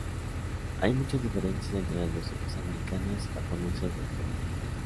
Hay muchas diferencias entre las versiones americanas y japonesas del juego.